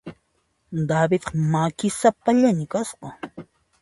Davidqa makisapallaña kasqa.